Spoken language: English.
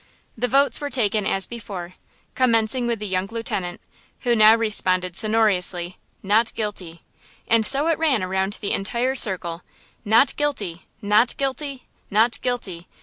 The votes were taken as before, commencing with the young lieutenant, who now responded sonorously: "Not guilty!" And so it ran around the entire circle. "Not guilty!" "Not guilty!" Not guilty!"